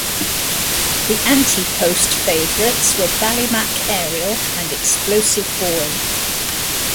The ante post favourites were Ballymac Ariel and Explosive Boy.